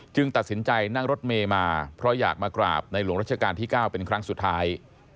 ตัดสินใจนั่งรถเมย์มาเพราะอยากมากราบในหลวงรัชกาลที่๙เป็นครั้งสุดท้าย